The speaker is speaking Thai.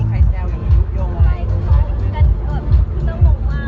มีค่ะมีค่ะเพราะว่าต่างคนก็มีเวลาจำกัดเนาะ